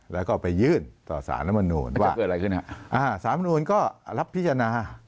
แล้วก็ไปยื่นต่อสารมนุนสารมนุนก็รับพิจารณา